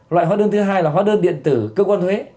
loại hóa đơn thứ hai là hóa đơn điện tử cơ quan thuế